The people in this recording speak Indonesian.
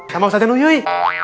sama ustazah nuyuy